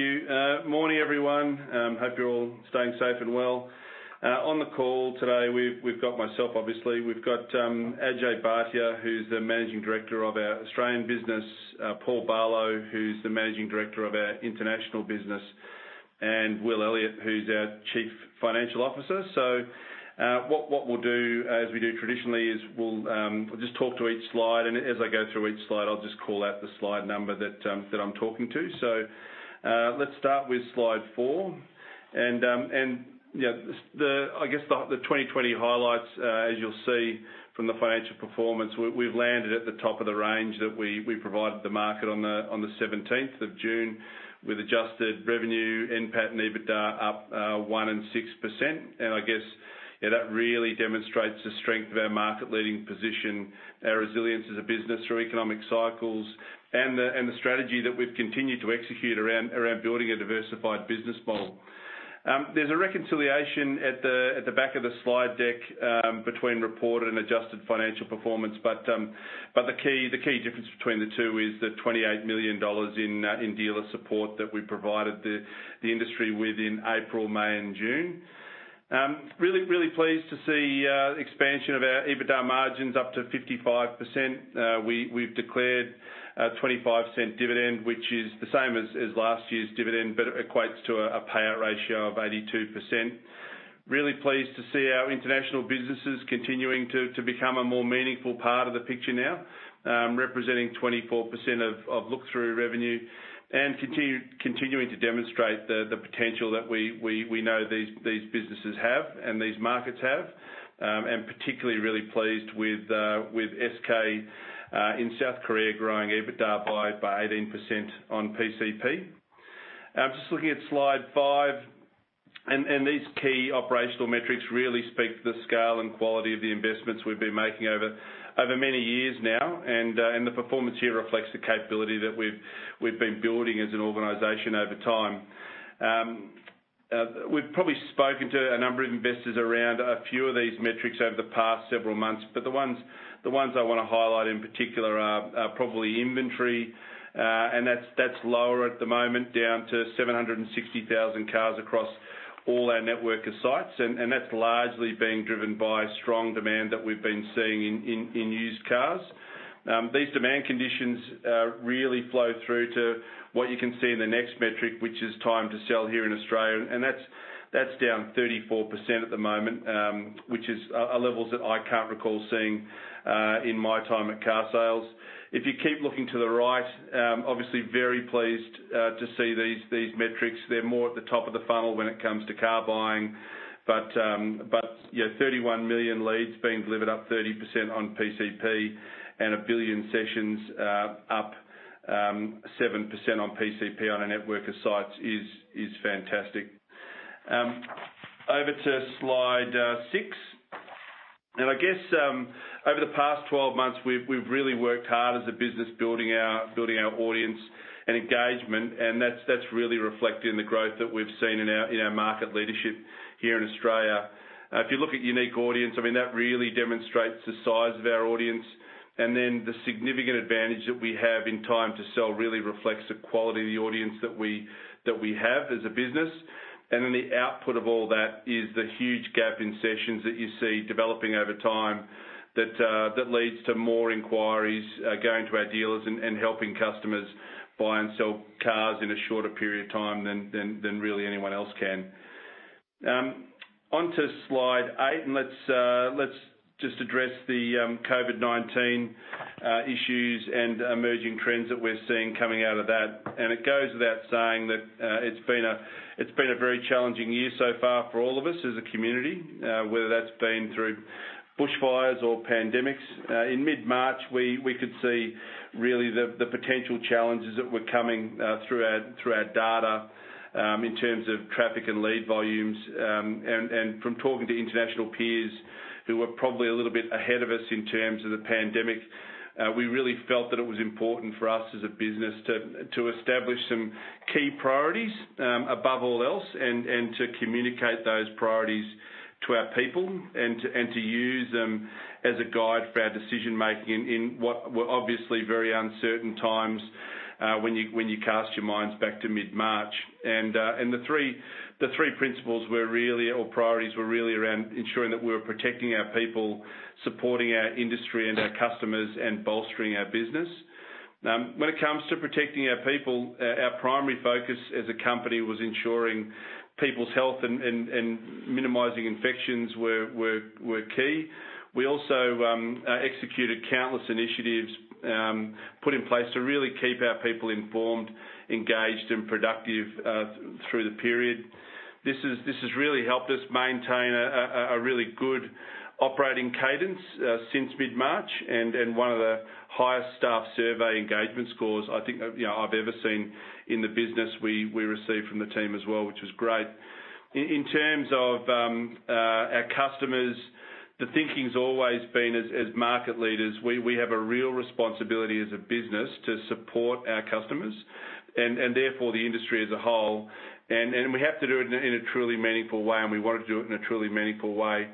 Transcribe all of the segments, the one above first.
Thank you. Morning, everyone. Hope you're all staying safe and well. On the call today, we've got myself obviously, we've got Ajay Bhatia, who's the Managing Director of our Australian business, Paul Barlow, who's the Managing Director of our international business, and Will Elliott, who's our Chief Financial Officer. So, what we'll do, as we do traditionally, is we'll just talk to each slide, and as I go through each slide, I'll just call out the slide number that I'm talking to. So, let's start with slide four, and, you know, the... I guess the 2020 highlights, as you'll see from the financial performance, we've landed at the top of the range that we provided the market on the seventeenth of June, with adjusted revenue, NPAT and EBITDA up 1% and 6%. And I guess that really demonstrates the strength of our market-leading position, our resilience as a business through economic cycles, and the strategy that we've continued to execute around building a diversified business model. There's a reconciliation at the back of the slide deck between reported and adjusted financial performance, but the key difference between the two is the 28 million dollars in dealer support that we provided the industry with in April, May, and June. Really, really pleased to see expansion of our EBITDA margins up to 55%. We've declared an 0.25 dividend, which is the same as last year's dividend, but it equates to a payout ratio of 82%. Really pleased to see our international businesses continuing to become a more meaningful part of the picture now, representing 24% of look-through revenue, and continuing to demonstrate the potential that we know these businesses have and these markets have. And particularly really pleased with SK in South Korea, growing EBITDA by 18% on PCP. Just looking at slide five, and these key operational metrics really speak to the scale and quality of the investments we've been making over many years now, and the performance here reflects the capability that we've been building as an organization over time. We've probably spoken to a number of investors around a few of these metrics over the past several months, but the ones I wanna highlight in particular are probably inventory, and that's lower at the moment, down to 760,000 cars across all our network of sites. That's largely being driven by strong demand that we've been seeing in used cars. These demand conditions really flow through to what you can see in the next metric, which is time to sell here in Australia, and that's down 34% at the moment, which is levels that I can't recall seeing in my time at Carsales. If you keep looking to the right, obviously very pleased to see these metrics. They're more at the top of the funnel when it comes to car buying, but you know, 31 million leads being delivered, up 30% on PCP, and one billion sessions up 7% on PCP on our network of sites is fantastic. Over to slide 6. I guess, over the past 12 months, we've really worked hard as a business building our audience and engagement, and that's really reflected in the growth that we've seen in our market leadership here in Australia. If you look at unique audience, I mean, that really demonstrates the size of our audience, and then the significant advantage that we have in time to sell really reflects the quality of the audience that we have as a business. Then the output of all that is the huge gap in sessions that you see developing over time, that leads to more inquiries going to our dealers and helping customers buy and sell cars in a shorter period of time than really anyone else can. On to slide eight, and let's just address the COVID-19 issues and emerging trends that we're seeing coming out of that. And it goes without saying that it's been a very challenging year so far for all of us as a community, whether that's been through bushfires or pandemics. In mid-March, we could see really the potential challenges that were coming through our data in terms of traffic and lead volumes. From talking to international peers, who were probably a little bit ahead of us in terms of the pandemic, we really felt that it was important for us as a business to establish some key priorities above all else, and to communicate those priorities to our people, and to use them as a guide for our decision-making in what were obviously very uncertain times, when you cast your minds back to mid-March. The three principles were really or priorities, were really around ensuring that we were protecting our people, supporting our industry and our customers, and bolstering our business. When it comes to protecting our people, our primary focus as a company was ensuring people's health, and minimizing infections were key. We also executed countless initiatives put in place to really keep our people informed, engaged, and productive through the period. This has really helped us maintain a really good operating cadence since mid-March, and one of the highest staff survey engagement scores I think you know I've ever seen in the business we received from the team as well, which was great. In terms of our customers, the thinking's always been, as market leaders, we have a real responsibility as a business to support our customers and therefore the industry as a whole. We have to do it in a truly meaningful way, and we want to do it in a truly meaningful way.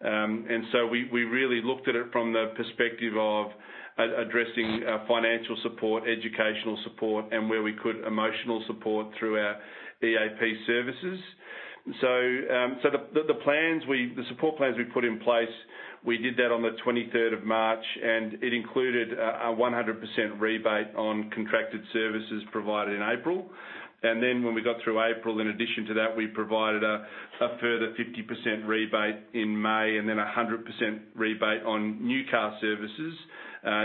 And so we really looked at it from the perspective of addressing financial support, educational support, and where we could emotional support through our EAP services, so the support plans we put in place, we did that on the 23rd of March, and it included a 100% rebate on contracted services provided in April. And then when we got through April, in addition to that, we provided a further 50% rebate in May, and then a 100% rebate on new car services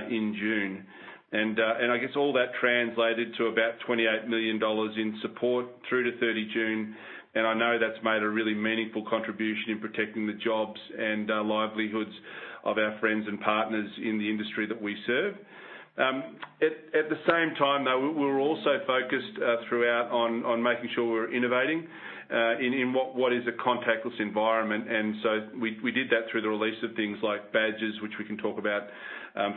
in June, and I guess all that translated to about 28 million dollars in support through to 30 June, and I know that's made a really meaningful contribution in protecting the jobs and livelihoods of our friends and partners in the industry that we serve. At the same time, though, we're also focused throughout on making sure we're innovating in what is a contactless environment. And so we did that through the release of things like badges, which we can talk about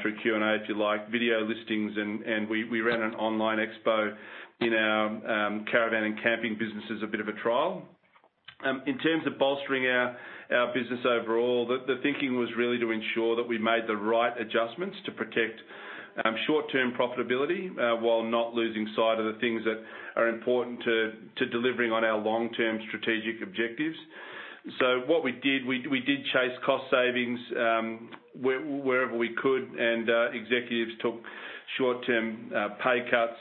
through Q&A if you like, video listings, and we ran an online expo in our caravan and camping business as a bit of a trial. In terms of bolstering our business overall, the thinking was really to ensure that we made the right adjustments to protect short-term profitability while not losing sight of the things that are important to delivering on our long-term strategic objectives. So what we did, we did chase cost savings, wherever we could, and executives took short-term pay cuts.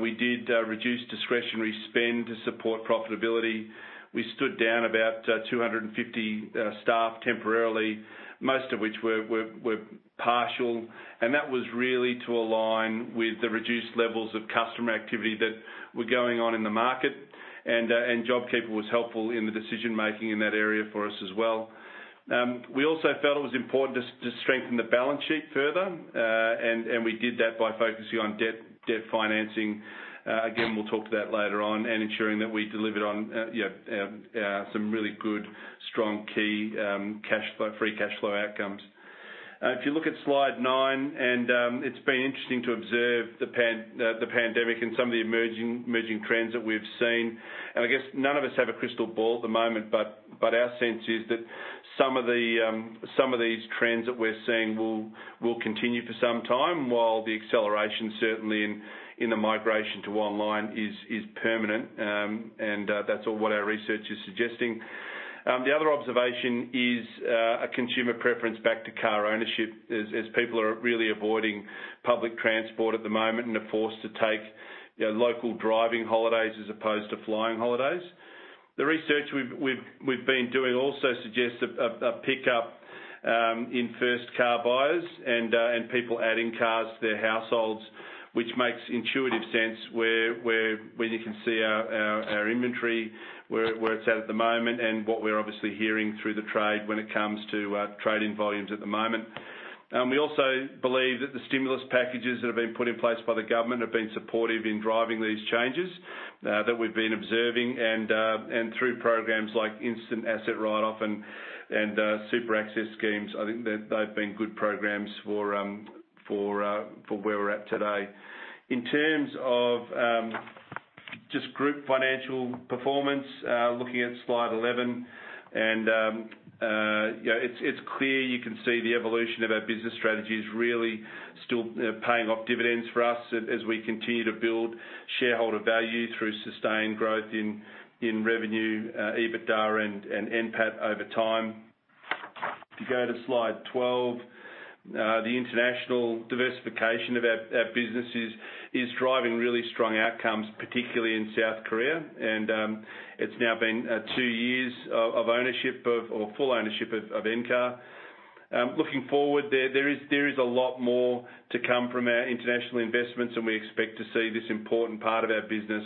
We did reduce discretionary spend to support profitability. We stood down about 250 staff temporarily, most of which were partial, and that was really to align with the reduced levels of customer activity that were going on in the market. JobKeeper was helpful in the decision-making in that area for us as well. We also felt it was important to strengthen the balance sheet further, and we did that by focusing on debt financing. Again, we'll talk to that later on, and ensuring that we delivered on some really good, strong key cash flow, free cash flow outcomes. If you look at slide nine, and it's been interesting to observe the pandemic and some of the emerging trends that we've seen, and I guess none of us have a crystal ball at the moment, but our sense is that some of these trends that we're seeing will continue for some time, while the acceleration, certainly in the migration to online is permanent. That's all what our research is suggesting. The other observation is a consumer preference back to car ownership as people are really avoiding public transport at the moment and are forced to take, you know, local driving holidays as opposed to flying holidays. The research we've been doing also suggests a pickup in first car buyers and people adding cars to their households, which makes intuitive sense where you can see our inventory, where it's at at the moment, and what we're obviously hearing through the trade when it comes to trading volumes at the moment. We also believe that the stimulus packages that have been put in place by the government have been supportive in driving these changes that we've been observing, and through programs like Instant Asset Write-Off and Super Access schemes, I think that they've been good programs for where we're at today. In terms of just group financial performance, looking at slide eleven, and you know, it's clear you can see the evolution of our business strategy is really still paying off dividends for us as we continue to build shareholder value through sustained growth in revenue, EBITDA and NPAT over time. If you go to slide 12, the international diversification of our business is driving really strong outcomes, particularly in South Korea, and it's now been two years of ownership of... or full ownership of Encar. Looking forward, there is a lot more to come from our international investments, and we expect to see this important part of our business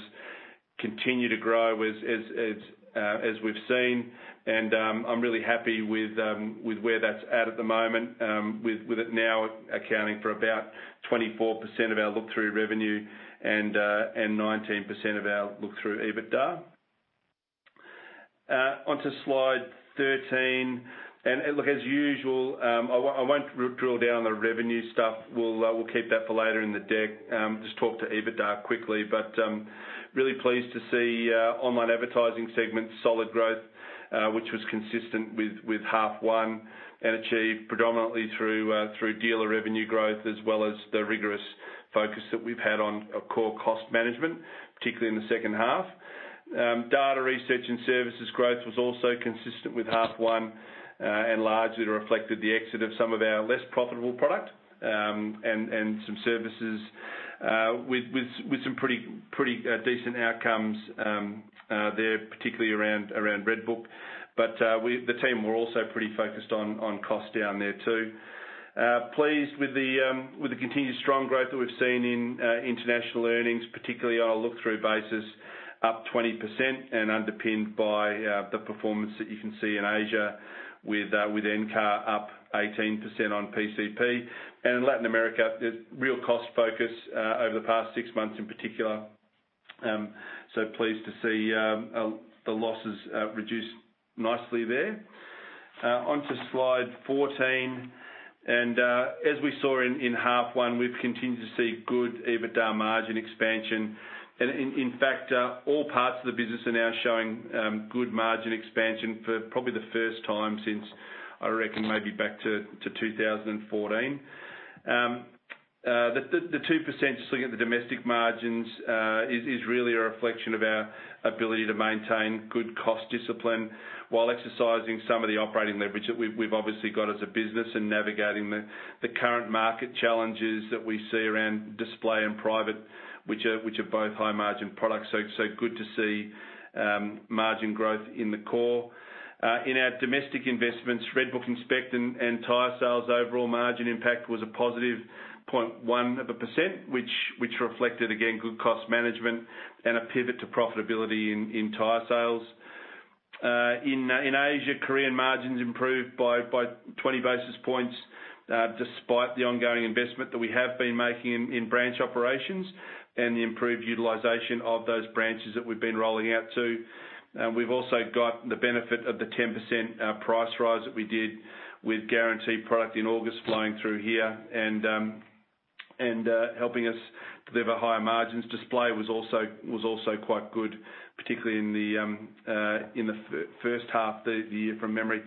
continue to grow as we've seen, and I'm really happy with where that's at the moment, with it now accounting for about 24% of our look-through revenue and 19% of our look-through EBITDA. Onto slide 13, and look, as usual, I won't drill down on the revenue stuff. We'll keep that for later in the deck. Just talk to EBITDA quickly, but really pleased to see online advertising segment's solid growth, which was consistent with half one, and achieved predominantly through dealer revenue growth, as well as the rigorous focus that we've had on our core cost management, particularly in the second half. Data research and services growth was also consistent with half one, and largely reflected the exit of some of our less profitable product and some services with some pretty decent outcomes there, particularly around RedBook. But the team were also pretty focused on cost down there, too. Pleased with the, with the continued strong growth that we've seen in, international earnings, particularly on a look-through basis, up 20% and underpinned by, the performance that you can see in Asia with Encar up 18% on PCP. And in Latin America, there's real cost focus, over the past six months in particular, so pleased to see, the losses, reduced nicely there. Onto slide 14, and, as we saw in half one, we've continued to see good EBITDA margin expansion. And in fact, all parts of the business are now showing good margin expansion for probably the first time since, I reckon, maybe back to 2014. The 2%, just looking at the domestic margins, is really a reflection of our ability to maintain good cost discipline while exercising some of the operating leverage that we've obviously got as a business and navigating the current market challenges that we see around display and private, which are both high-margin products. Good to see margin growth in the core. In our domestic investments, RedBook, Inspect, and Tyresales, overall margin impact was a positive 0.1%, which reflected again good cost management and a pivot to profitability in Tyresales. In Asia, Korean margins improved by 20 basis points, despite the ongoing investment that we have been making in branch operations and the improved utilization of those branches that we've been rolling out to. We've also got the benefit of the 10% price rise that we did with Guarantee product in August flowing through here and helping us deliver higher margins. Display was also quite good, particularly in the first half of the year from memory.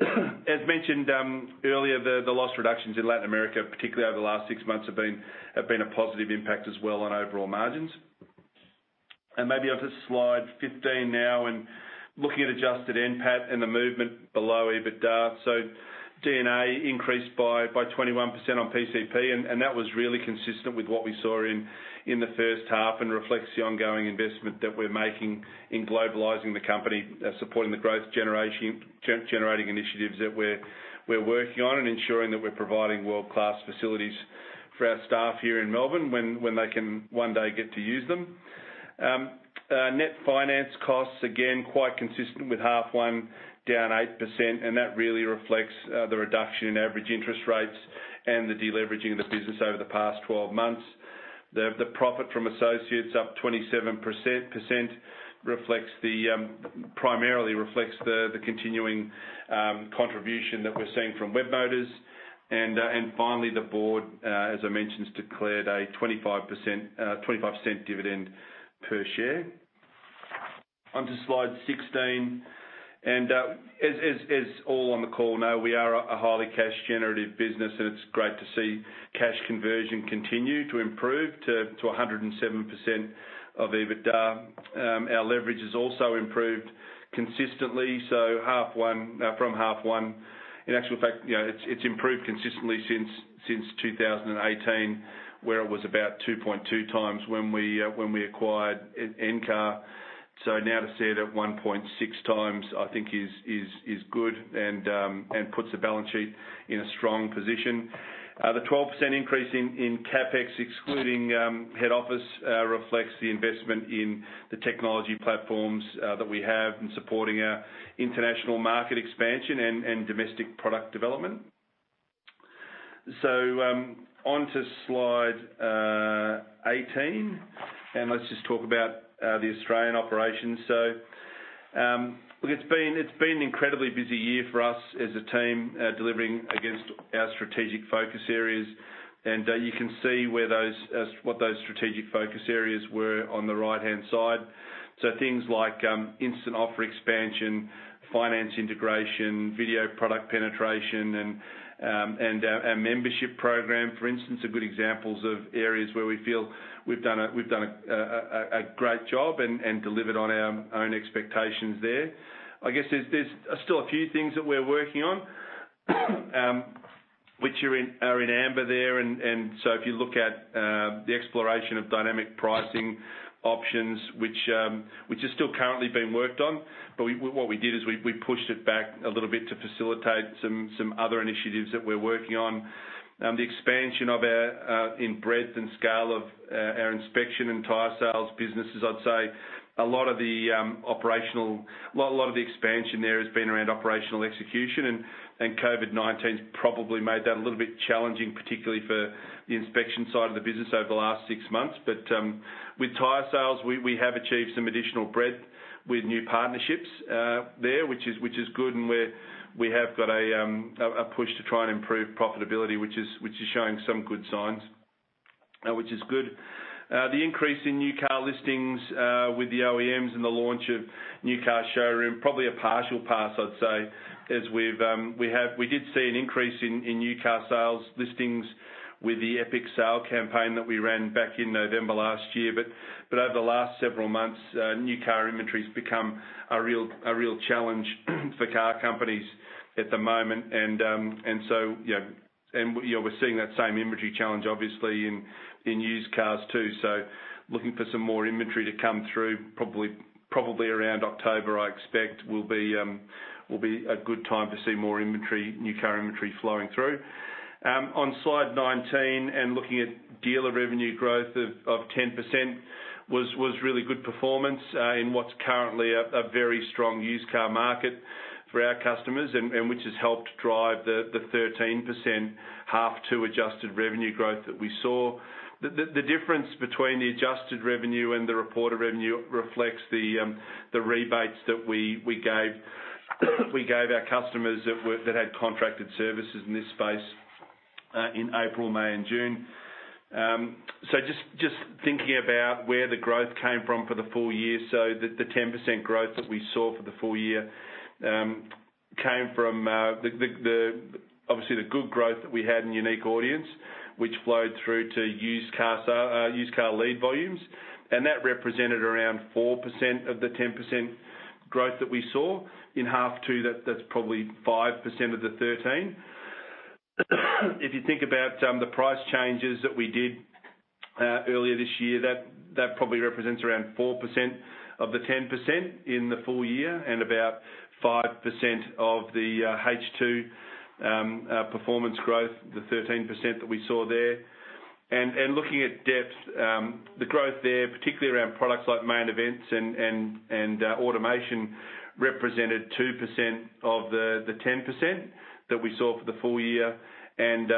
As mentioned earlier, the loss reductions in Latin America, particularly over the last six months, have been a positive impact as well on overall margins. And maybe onto slide 15 now, and looking at adjusted NPAT and the movement below EBITDA, so D&A increased by 21% on PCP, and that was really consistent with what we saw in the first half and reflects the ongoing investment that we're making in globalizing the company, supporting the growth generating initiatives that we're working on, and ensuring that we're providing world-class facilities for our staff here in Melbourne when they can one day get to use them. Net finance costs, again, quite consistent with half one, down 8%, and that really reflects the reduction in average interest rates and the de-leveraging of the business over the past 12 months. The profit from associates up 27% reflects primarily the continuing contribution that we're seeing from Webmotors. Finally, the board, as I mentioned, declared a 0.25 dividend per share. Onto slide 16, and as all on the call know, we are a highly cash-generative business, and it's great to see cash conversion continue to improve to 107% of EBITDA. Our leverage has also improved consistently, so H1 from H1, in actual fact, you know, it's improved consistently since 2018, where it was about 2.2 times when we acquired Encar. So now to see it at 1.6 times, I think is good and puts the balance sheet in a strong position. The 12% increase in CapEx, excluding head office, reflects the investment in the technology platforms that we have in supporting our international market expansion and domestic product development. Onto slide 18, and let's just talk about the Australian operations. Look, it's been an incredibly busy year for us as a team, delivering against our strategic focus areas. You can see where those what those strategic focus areas were on the right-hand side. Things like Instant Offer expansion, finance integration, video product penetration, and our membership program, for instance, are good examples of areas where we feel we've done a great job and delivered on our own expectations there. I guess there's still a few things that we're working on, which are in amber there, so if you look at the exploration of dynamic pricing options, which is still currently being worked on, but what we did is we pushed it back a little bit to facilitate some other initiatives that we're working on. The expansion in breadth and scale of our inspection and Tyresales businesses, I'd say a lot of the operational, well, a lot of the expansion there has been around operational execution, and COVID-19 has probably made that a little bit challenging, particularly for the inspection side of the business over the last six months. But with Tyresales, we have achieved some additional breadth with new partnerships there, which is good, and we have got a push to try and improve profitability, which is showing some good signs, which is good. The increase in new car listings with the OEMs and the launch of New Car Showroom probably a partial pass, I'd say, as we've, we did see an increase in new car sales listings with the Epic Sale campaign that we ran back in November last year. But over the last several months, new car inventory has become a real challenge for car companies at the moment. And so, you know, we're seeing that same inventory challenge obviously in used cars, too. So looking for some more inventory to come through, probably around October, I expect, will be a good time to see more inventory, new car inventory flowing through. On slide 19, and looking at dealer revenue growth of 10% was really good performance in what's currently a very strong used car market for our customers and which has helped drive the 13% half to adjusted revenue growth that we saw. The difference between the adjusted revenue and the reported revenue reflects the rebates that we gave our customers that had contracted services in this space in April, May, and June. So just thinking about where the growth came from for the full-year, so the 10% growth that we saw for the full-year came from obviously the good growth that we had in unique audience, which flowed through to used car lead volumes, and that represented around 4% of the 10% growth that we saw. In half two, that's probably 5% of the 13%. If you think about the price changes that we did earlier this year, that probably represents around 4% of the 10% in the full-year, and about 5% of the H2 performance growth, the 13% that we saw there. Looking at Depth, the growth there, particularly around products like Main Events and Promotions, represented 2% of the 10% that we saw for the full-year, 3%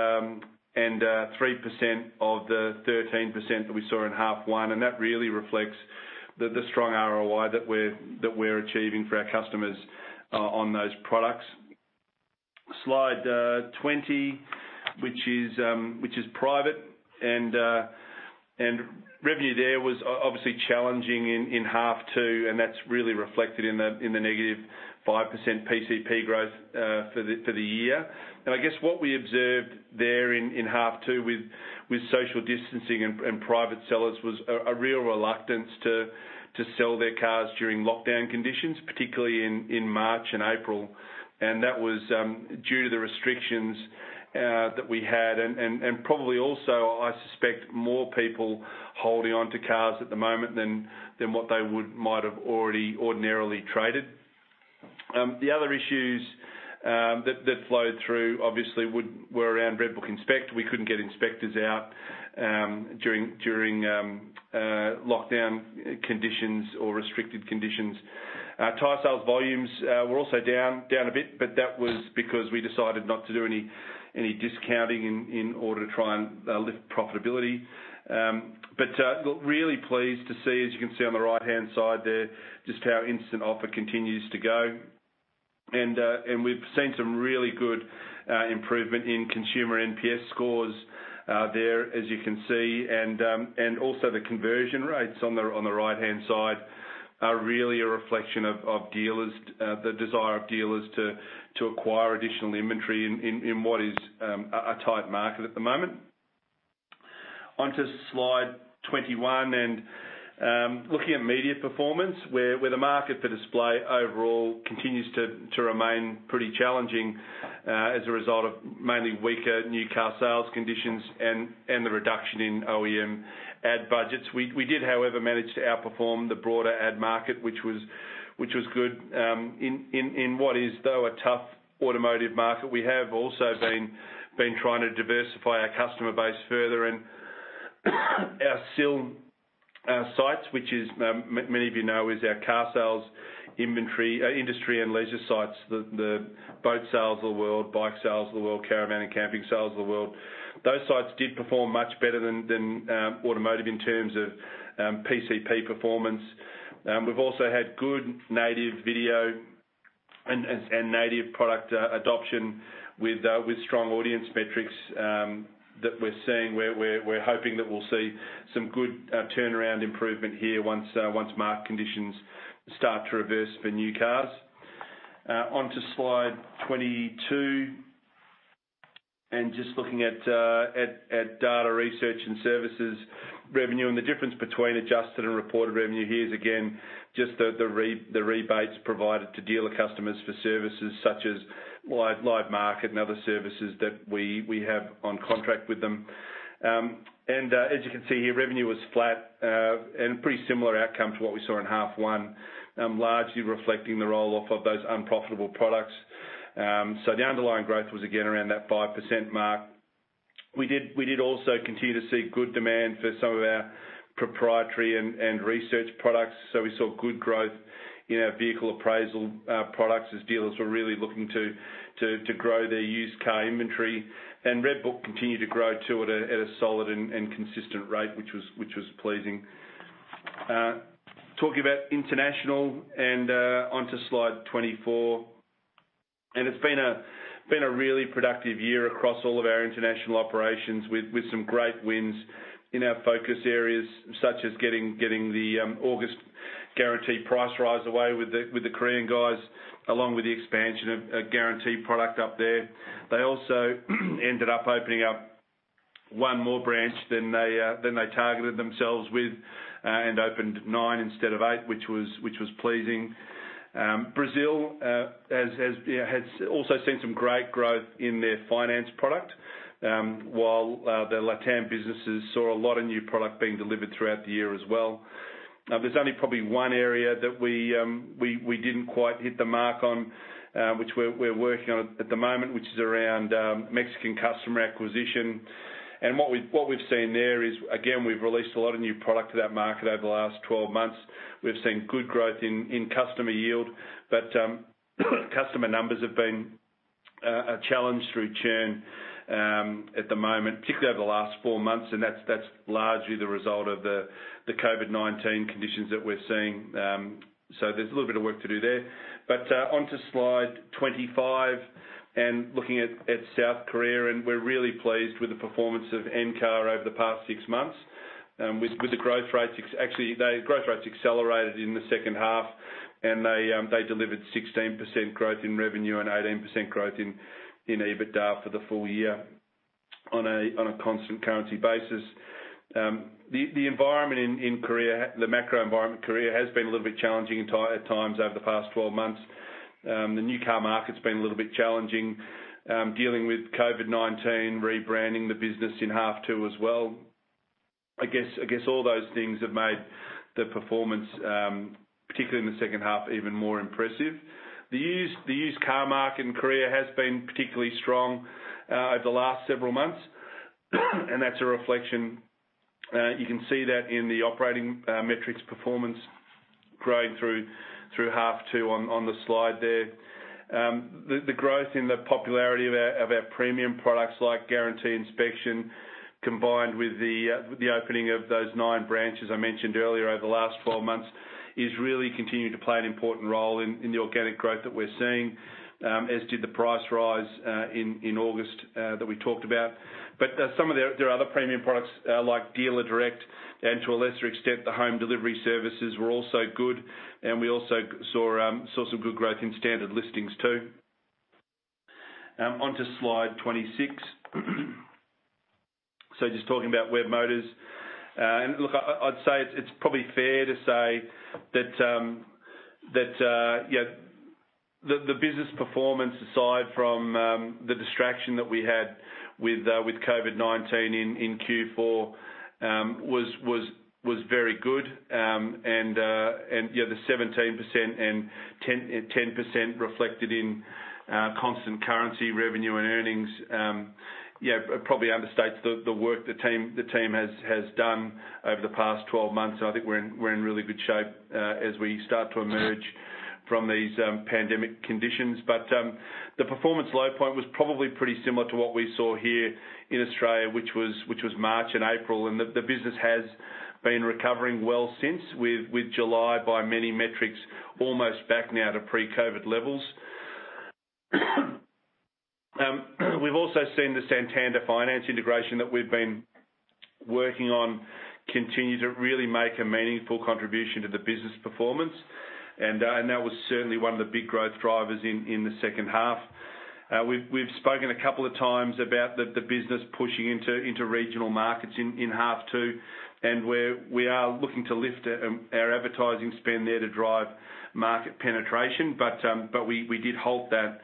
of the 13% that we saw in half one, and that really reflects the strong ROI that we're achieving for our customers on those products. slide 20, which is private, and revenue there was obviously challenging in half two, and that's really reflected in the -5% PCP growth for the year. I guess what we observed there in half two with social distancing and private sellers was a real reluctance to sell their cars during lockdown conditions, particularly in March and April. And that was due to the restrictions that we had, and probably also, I suspect more people holding onto cars at the moment than what they might have already ordinarily traded. The other issues that flowed through obviously were around RedBook Inspect. We couldn't get inspectors out during lockdown conditions or restricted conditions. Our Tyresales volumes were also down a bit, but that was because we decided not to do any discounting in order to try and lift profitability. But look, really pleased to see, as you can see on the right-hand side there, just how our Instant Offer continues to go. And we've seen some really good improvement in consumer NPS scores there, as you can see. Also, the conversion rates on the right-hand side are really a reflection of the desire of dealers to acquire additional inventory in what is a tight market at the moment. Onto slide 21, and looking at media performance, where the market for display overall continues to remain pretty challenging as a result of mainly weaker new car sales conditions and the reduction in OEM ad budgets. We did, however, manage to outperform the broader ad market, which was good. In what is, though, a tough automotive market, we have also been trying to diversify our customer base further and our I&L sites, which many of you know is our Carsales Industry and Leisure sites, the Boatsales of the world, Bikesales of the world, Caravancampingsales of the world. Those sites did perform much better than automotive in terms of PCP performance. We've also had good native video and native product adoption with strong audience metrics that we're seeing. We're hoping that we'll see some good turnaround improvement here once market conditions start to reverse for new cars. Onto slide 22, and just looking at data research and services revenue, and the difference between adjusted and reported revenue here is again just the rebates provided to dealer customers for services such as LiveMarket and other services that we have on contract with them. As you can see here, revenue was flat and pretty similar outcome to what we saw in half one, largely reflecting the roll-off of those unprofitable products. The underlying growth was again around that 5% mark. We did also continue to see good demand for some of our proprietary and research products, so we saw good growth in our vehicle appraisal products as dealers were really looking to grow their used car inventory. RedBook continued to grow, too, at a solid and consistent rate, which was pleasing. Talking about international and onto slide 24, and it's been a really productive year across all of our international operations with some great wins in our focus areas, such as getting the August Guarantee price rise away with the Korean guys, along with the expansion of Guarantee product up there. They also ended up opening up one more branch than they targeted themselves with, and opened nine instead of eight, which was pleasing. Brazil has also seen some great growth in their finance product, while the Latam businesses saw a lot of new product being delivered throughout the year as well. There's only probably one area that we didn't quite hit the mark on, which we're working on at the moment, which is around Mexican customer acquisition, and what we've seen there is, again, we've released a lot of new product to that market over the last 12 months. We've seen good growth in customer yield, but customer numbers have been a challenge through churn at the moment, particularly over the last four months, and that's largely the result of the COVID-19 conditions that we're seeing, so there's a little bit of work to do there. Onto slide 25, and looking at South Korea, and we're really pleased with the performance of Encar over the past six months, with the growth rates. Actually, the growth rates accelerated in the second half, and they delivered 16% growth in revenue and 18% growth in EBITDA for the full-year on a constant currency basis. The environment in Korea, the macro environment in Korea, has been a little bit challenging at times over the past 12 months. The new car market's been a little bit challenging, dealing with COVID-19, rebranding the business in half two as well. I guess all those things have made the performance, particularly in the second half, even more impressive. The used car market in Korea has been particularly strong over the last several months, and that's a reflection you can see that in the operating metrics performance growing through half two on the slide there. The growth in the popularity of our premium products, like Guarantee inspection, combined with the opening of those nine branches I mentioned earlier over the last 12 months, is really continuing to play an important role in the organic growth that we're seeing, as did the price rise in August that we talked about. But some of their other premium products, like Dealer Direct, and to a lesser extent, the home delivery services, were also good, and we also saw some good growth in standard listings, too. Onto slide 26. So just talking about Webmotors, and look, I'd say it's probably fair to say that yeah, the business performance aside from the distraction that we had with COVID-19 in Q4 was very good. And yeah, the 17% and 10% reflected in constant currency revenue and earnings yeah probably understates the work the team has done over the past 12 months. So I think we're in really good shape as we start to emerge from these pandemic conditions. But the performance low point was probably pretty similar to what we saw here in Australia, which was March and April, and the business has been recovering well since, with July, by many metrics, almost back now to pre-COVID levels. We've also seen the Santander Finance integration that we've been working on continue to really make a meaningful contribution to the business performance, and that was certainly one of the big growth drivers in the second half. We've spoken a couple of times about the business pushing into regional markets in half two, and we are looking to lift our advertising spend there to drive market penetration, but we did halt that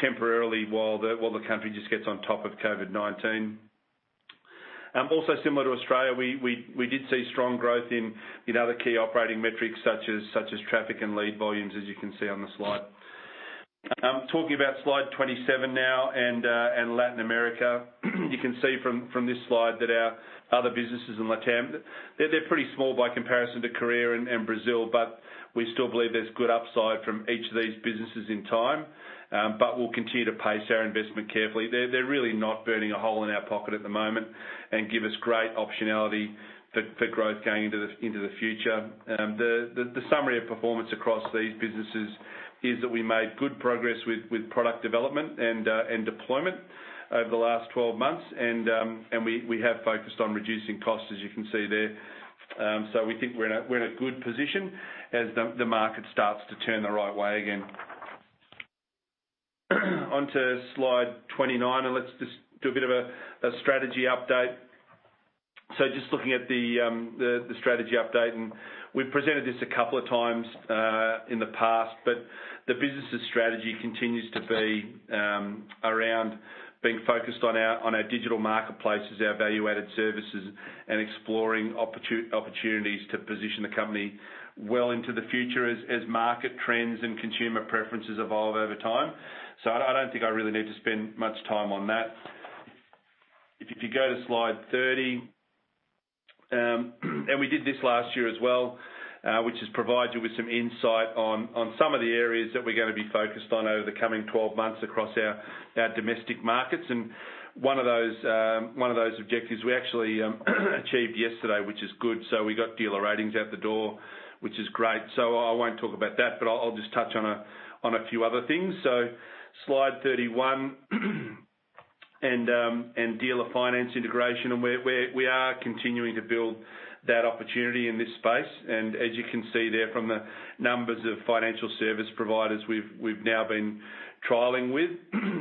temporarily while the country just gets on top of COVID-19. Also similar to Australia, we did see strong growth in other key operating metrics, such as traffic and lead volumes, as you can see on the slide. Talking about slide 27 now and Latin America. You can see from this slide that our other businesses in Latam, they're pretty small by comparison to Korea and Brazil, but we still believe there's good upside from each of these businesses in time. But we'll continue to pace our investment carefully. They're really not burning a hole in our pocket at the moment, and give us great optionality for growth going into the future. The summary of performance across these businesses is that we made good progress with product development and deployment over the last 12 months, and we have focused on reducing costs, as you can see there. So we think we're in a good position as the market starts to turn the right way again. Onto slide 29, and let's just do a bit of a strategy update. So just looking at the strategy update, and we've presented this a couple of times in the past, but the business's strategy continues to be around being focused on our digital marketplace as our value-added services, and exploring opportunities to position the company well into the future as market trends and consumer preferences evolve over time. So I don't think I really need to spend much time on that. If you go to slide 30, and we did this last year as well, which is provide you with some insight on some of the areas that we're gonna be focused on over the coming 12 months across our domestic markets, and one of those objectives, we actually achieved yesterday, which is good, so we got Dealer Ratings out the door, which is great. So I won't talk about that, but I'll just touch on a few other things. So slide 31, and dealer finance integration, and we are continuing to build that opportunity in this space. As you can see there, from the numbers of financial service providers we've now been trialing with,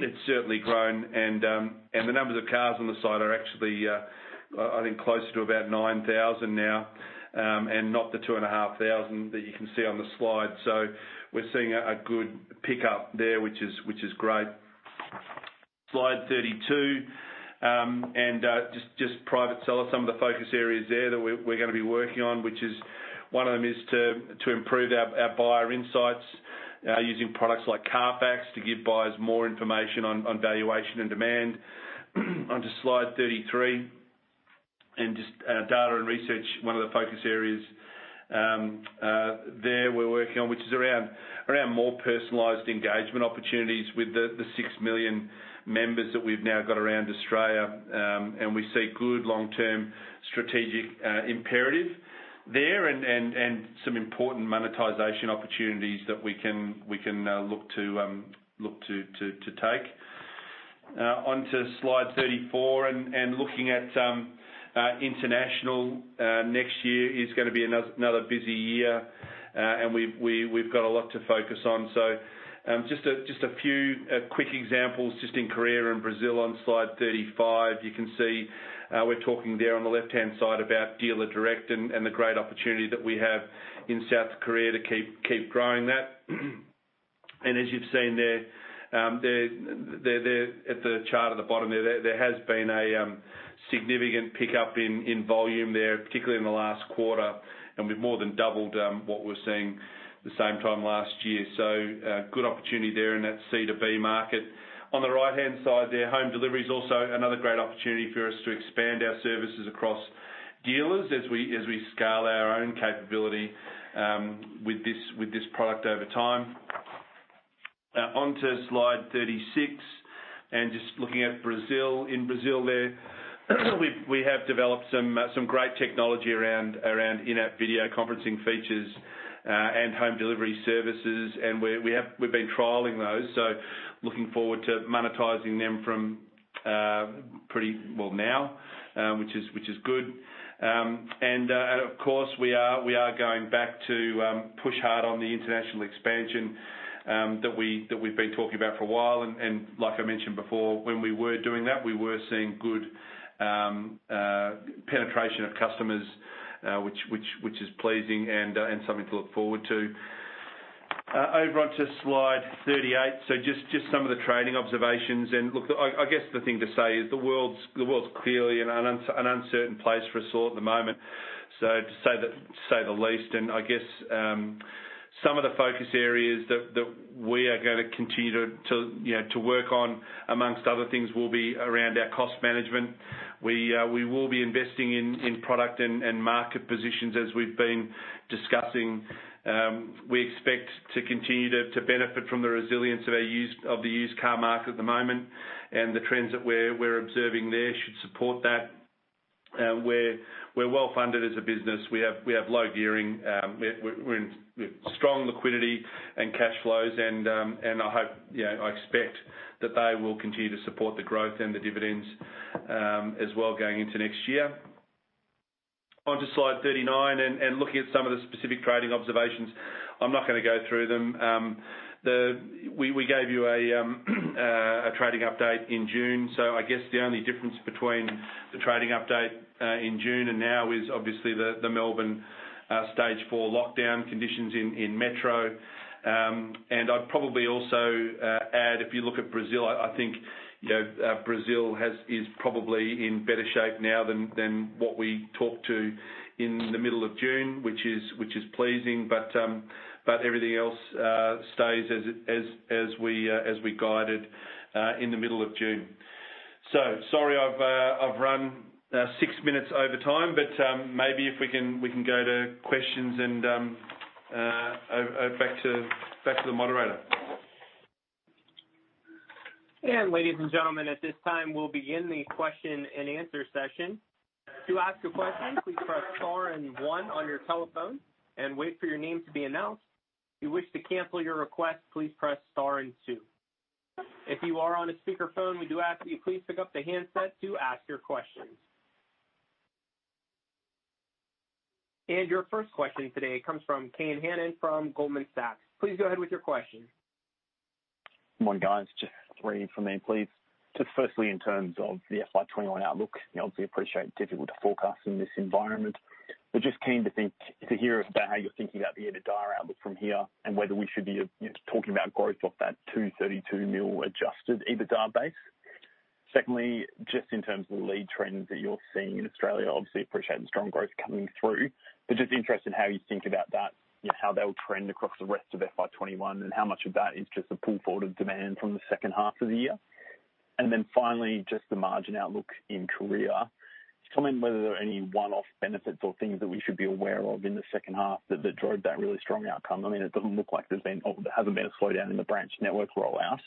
it's certainly grown, and the numbers of cars on the site are actually, I think closer to about 9,000 now, and not the 2,500 that you can see on the slide. So we're seeing a good pickup there, which is great. slide 32, and just private seller, some of the focus areas there that we're gonna be working on, which is, one of them is to improve our buyer insights, using products like CARFAX to give buyers more information on valuation and demand. Onto slide 33 and just data and research, one of the focus areas there we're working on, which is around-... around more personalized engagement opportunities with the six million members that we've now got around Australia, and we see good long-term strategic imperative there, and some important monetization opportunities that we can look to take. Onto slide 34, and looking at international, next year is gonna be another busy year. And we've got a lot to focus on. So, just a few quick examples, just in Korea and Brazil on slide 35. You can see, we're talking there on the left-hand side about Dealer Direct and the great opportunity that we have in South Korea to keep growing that. And as you've seen there, at the chart at the bottom there, there has been a significant pickup in volume there, particularly in the last quarter, and we've more than doubled what we're seeing the same time last year. So, good opportunity there in that C2B market. On the right-hand side there, home delivery is also another great opportunity for us to expand our services across dealers as we scale our own capability with this product over time. Onto slide 36, and just looking at Brazil. In Brazil there, we've developed some great technology around in-app video conferencing features and home delivery services, and we've been trialing those, so looking forward to monetizing them from pretty well now, which is good. Of course, we are going back to push hard on the international expansion that we've been talking about for a while. Like I mentioned before, when we were doing that, we were seeing good penetration of customers, which is pleasing and something to look forward to. Over onto slide 38, so just some of the trading observations. Look, I guess the thing to say is the world's clearly an uncertain place for us all at the moment, so to say the least. I guess some of the focus areas that we are gonna continue to you know to work on, among other things, will be around our cost management. We will be investing in product and market positions, as we've been discussing. We expect to continue to benefit from the resilience of our used car market at the moment, and the trends that we're observing there should support that. We're well-funded as a business. We have low gearing. We're in strong liquidity and cash flows, and I hope, you know, I expect that they will continue to support the growth and the dividends as well, going into next year. Onto slide 39, and looking at some of the specific trading observations, I'm not gonna go through them. The we gave you a trading update in June, so I guess the only difference between the trading update in June and now is obviously the Melbourne stage four lockdown conditions in Metro. And I'd probably also add, if you look at Brazil, I think, you know, Brazil is probably in better shape now than what we talked to in the middle of June, which is pleasing. But everything else stays as we guided in the middle of June. So sorry, I've run six minutes over time, but maybe if we can go to questions and over back to the moderator. Ladies and gentlemen, at this time, we'll begin the question and answer session. To ask a question, please press star and one on your telephone and wait for your name to be announced. If you wish to cancel your request, please press star and two. If you are on a speakerphone, we do ask that you please pick up the handset to ask your question. Your first question today comes from Kane Hannan from Goldman Sachs. Please go ahead with your question. Good morning, guys, just three in from me, please. Just firstly, in terms of the FY 2021 outlook, you know, obviously appreciate difficult to forecast in this environment. But just keen to think, to hear about how you're thinking about the EBITDA outlook from here, and whether we should be, you know, talking about growth off that 232 million Adjusted EBITDA base. Secondly, just in terms of the lead trends that you're seeing in Australia, obviously appreciate the strong growth coming through, but just interested in how you think about that, you know, how that will trend across the rest of FY 2021, and how much of that is just a pull forward of demand from the second half of the year? And then finally, just the margin outlook in Korea. Just comment whether there are any one-off benefits or things that we should be aware of in the second half that drove that really strong outcome. I mean, it doesn't look like there's been, or there hasn't been a slowdown in the branch network rollout,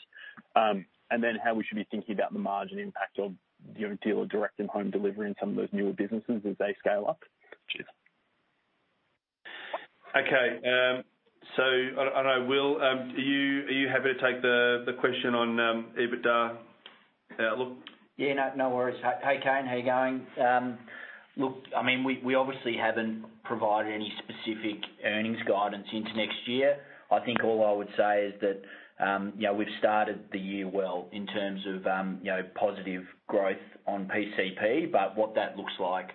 and then how we should be thinking about the margin impact of, you know, dealer direct and home delivery and some of those newer businesses as they scale up? Cheers. Okay, so I know, Will. Are you happy to take the question on EBITDA outlook? Yeah, no, no worries. Hey, Kane, how you going? Look, I mean, we obviously haven't provided any specific earnings guidance into next year. I think all I would say is that, you know, we've started the year well in terms of, you know, positive growth on PCP. But what that looks like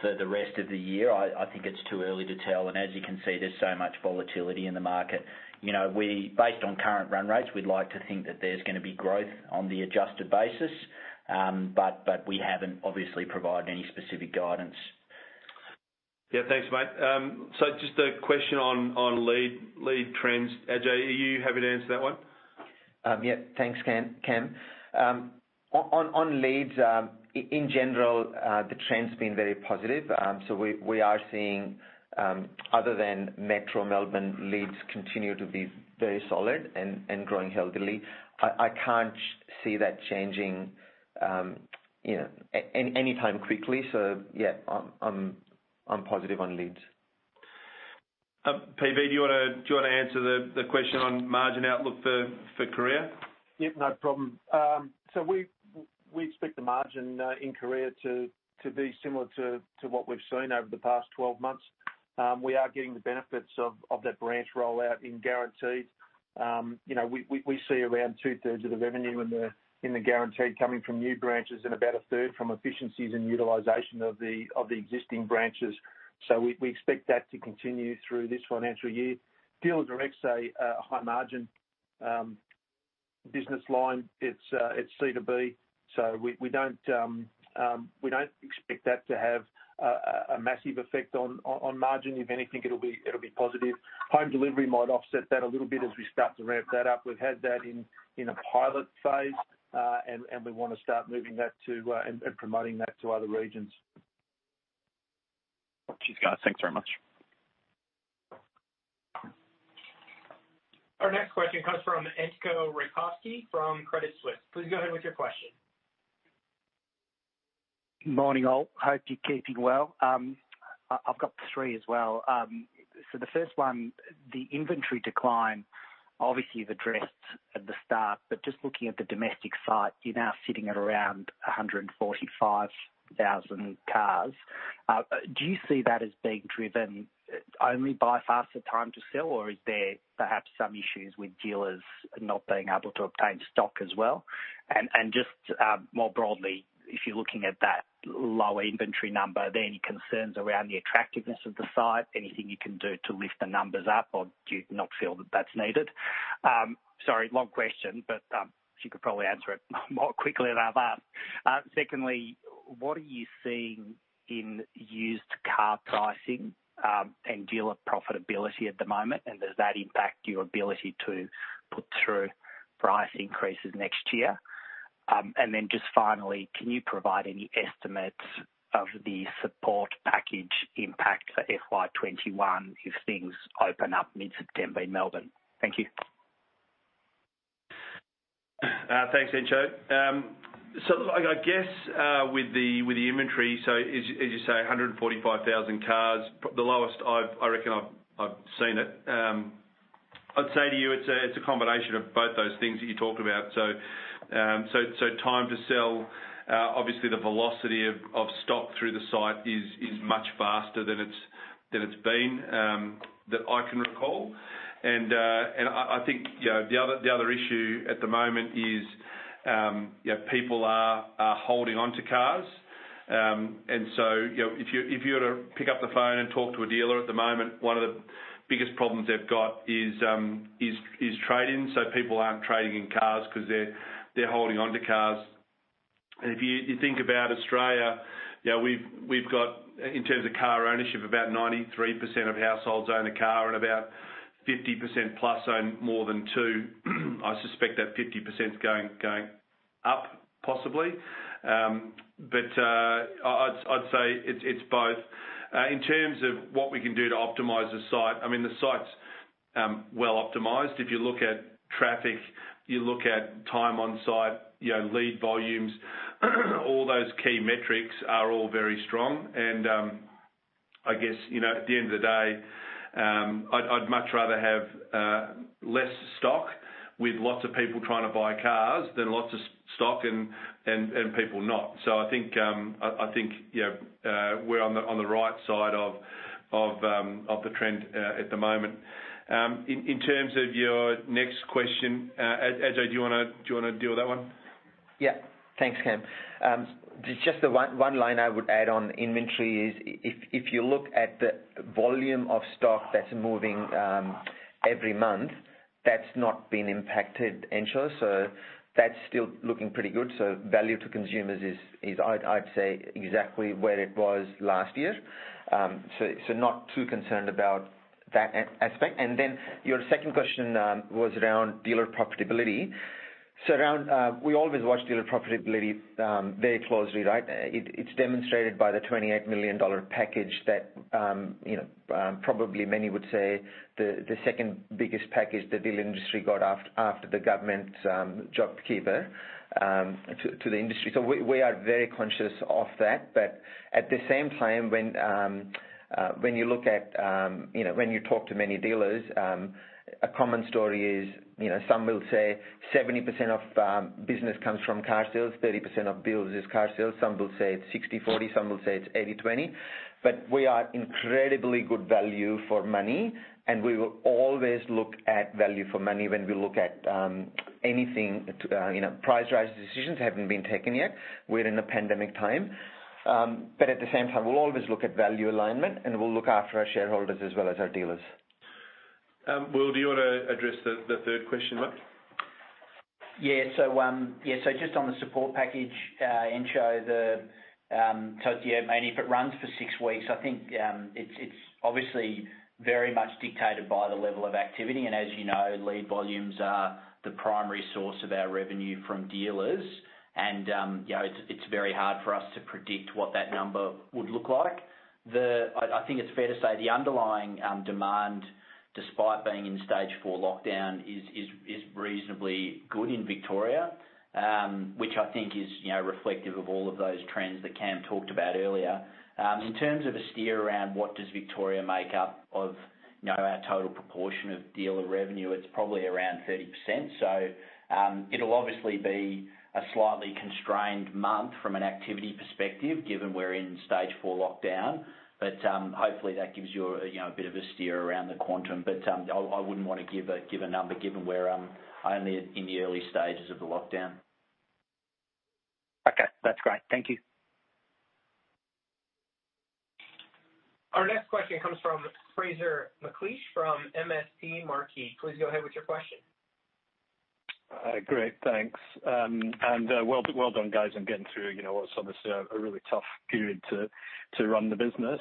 for the rest of the year, I think it's too early to tell, and as you can see, there's so much volatility in the market. You know, we based on current run rates, we'd like to think that there's gonna be growth on the adjusted basis, but we haven't obviously provided any specific guidance. Yeah. Thanks, mate. So just a question on lead trends. Ajay, are you happy to answer that one?... Yeah, thanks, Cam, Cam. On leads, in general, the trend's been very positive. So we are seeing, other than metro Melbourne, leads continue to be very solid and growing healthily. I can't see that changing, you know, anytime quickly. So yeah, I'm positive on leads. PB, do you wanna answer the question on margin outlook for Korea? Yep, no problem. So we expect the margin in Encar to be similar to what we've seen over the past 12 months. We are getting the benefits of that branch rollout in Guarantee. You know, we see around 2/3 of the revenue in the Guarantee coming from new branches and about a third from efficiencies and utilization of the existing branches. So we expect that to continue through this financial year. Dealer Direct's a high margin business line. It's C2B. So we don't expect that to have a massive effect on margin. If anything, it'll be positive. Home delivery might offset that a little bit as we start to ramp that up. We've had that in a pilot phase, and we wanna start moving that to and promoting that to other regions. Cheers, guys. Thanks very much. Our next question comes from Entcho Raykovski from Credit Suisse. Please go ahead with your question. Morning, all. Hope you're keeping well. I've got three as well. So the first one, the inventory decline, obviously you've addressed at the start, but just looking at the domestic site, you're now sitting at around a 145,000 cars. Do you see that as being driven only by faster time to sell? Or is there perhaps some issues with dealers not being able to obtain stock as well? And just more broadly, if you're looking at that low inventory number, are there any concerns around the attractiveness of the site? Anything you can do to lift the numbers up, or do you not feel that that's needed? Sorry, long question, but you could probably answer it more quickly than I've asked. Secondly, what are you seeing in used car pricing and dealer profitability at the moment? Does that impact your ability to put through price increases next year? And then just finally, can you provide any estimates of the support package impact for FY 2021, if things open up mid-September in Melbourne? Thank you. Thanks, Entcho. So I guess with the inventory, as you say, 145,000 cars, the lowest I've seen it, I reckon. I'd say to you, it's a combination of both those things that you talked about. So time to sell, obviously the velocity of stock through the site is much faster than it's been that I can recall. I think, you know, the other issue at the moment is, you know, people are holding onto cars. You know, if you were to pick up the phone and talk to a dealer at the moment, one of the biggest problems they've got is trade-ins. People aren't trading in cars, 'cause they're holding onto cars. If you think about Australia, you know, we've got, in terms of car ownership, about 93% of households own a car, and about 50%+ own more than two. I suspect that 50%'s going up, possibly. I'd say it's both. In terms of what we can do to optimize the site, I mean, the site's well optimized. If you look at traffic, you look at time on site, you know, lead volumes, all those key metrics are all very strong. I guess, you know, at the end of the day, I'd much rather have less stock with lots of people trying to buy cars than lots of stock and people not. So I think, you know, we're on the right side of the trend at the moment. In terms of your next question, Ajay, do you wanna deal with that one? Yeah. Thanks, Cam. Just the one line I would add on inventory is if you look at the volume of stock that's moving every month, that's not been impacted, Entcho, so that's still looking pretty good. So value to consumers is, I'd say, exactly where it was last year. So not too concerned about that aspect. And then your second question was around dealer profitability. So we always watch dealer profitability very closely, right? It's demonstrated by the 28 million dollar package that, you know, probably many would say the second biggest package the dealer industry got after the government JobKeeper to the industry. So we are very conscious of that. But at the same time, when you look at, you know, when you talk to many dealers, a common story is, you know, some will say 70% of business comes from Carsales, 30% of business is Carsales. Some will say it's 60/40, some will say it's 80/20. But we are incredibly good value for money, and we will always look at value for money when we look at anything to... You know, price rise decisions haven't been taken yet. We're in a pandemic time, but at the same time, we'll always look at value alignment, and we'll look after our shareholders as well as our dealers. Will, do you wanna address the third question, mate?... Yeah, so, yeah, so just on the support package, Entcho, so yeah, I mean, if it runs for six weeks, I think, it's obviously very much dictated by the level of activity, and as you know, lead volumes are the primary source of our revenue from dealers. And, you know, it's very hard for us to predict what that number would look like. I think it's fair to say the underlying demand, despite being in stage four lockdown, is reasonably good in Victoria, which I think is, you know, reflective of all of those trends that Cam talked about earlier. In terms of a steer around what does Victoria make up of, you know, our total proportion of dealer revenue, it's probably around 30%. So, it'll obviously be a slightly constrained month from an activity perspective, given we're in stage four lockdown. But, hopefully, that gives you a, you know, a bit of a steer around the quantum. But, I wouldn't want to give a number, given we're only in the early stages of the lockdown. Okay, that's great. Thank you. Our next question comes from Fraser McLeish from MST Marquee. Please go ahead with your question. Great, thanks. Well done, guys, on getting through, you know, what's obviously a really tough period to run the business.